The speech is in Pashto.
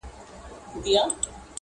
هغه چي په لفظونو کي بې هم پښه وهل_